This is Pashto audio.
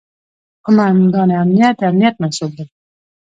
قوماندان امنیه د امنیت مسوول دی